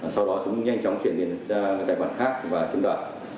sau đó chúng nhanh chóng chuyển tiền ra tài khoản khác và chiếm đoạt